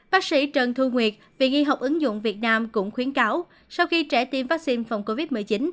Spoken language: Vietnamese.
bác sĩ trần thu nguyệt viện y học ứng dụng việt nam cũng khuyến cáo sau khi trẻ tiêm vaccine phòng covid một mươi chín